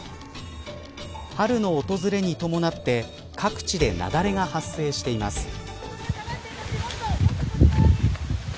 春の訪れに伴って各地で雪崩が発生しています。